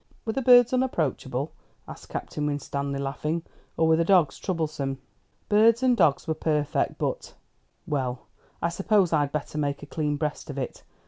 "Were the birds unapproachable?" asked Captain Winstanley, laughing; "or were the dogs troublesome?" "Birds and dogs were perfect; but Well, I suppose I'd better make a clean breast of it.